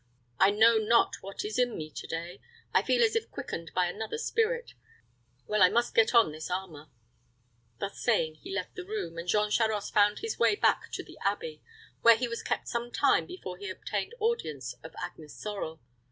I know not what is in me to day. I feel as if quickened by another spirit. Well, I must get on this armor." Thus saying, he left the room, and Jean Charost found his way back to the abbey, where he was kept some time before he obtained audience of Agnes Sorel.